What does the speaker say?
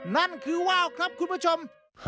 นั่นคือว่าวครับคุณผู้ชม